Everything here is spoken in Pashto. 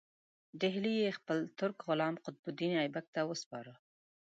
ډهلی یې خپل ترک غلام قطب الدین ایبک ته وسپاره.